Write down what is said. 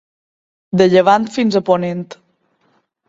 De llevant fins a ponent.